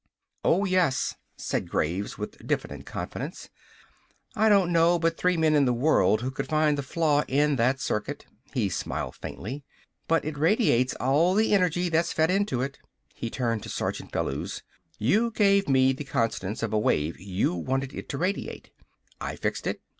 "Oh, yes!" said Graves, with diffident confidence. "I don't know but three men in the world who could find the flaw in that circuit." He smiled faintly. "But it radiates all the energy that's fed into it." He turned to Sergeant Bellews. "You gave me the constants of a wave you wanted it to radiate. I fixed it.